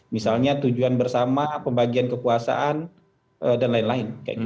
misalnya tujuan bersama pembagian kekuasaan dan lain lain